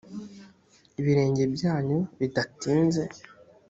ibirenge byanyu bidatinze